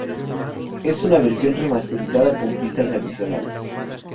Es una versión remasterizada con pistas adicionales.